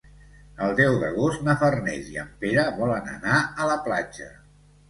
El deu d'agost na Farners i en Pere volen anar a la platja.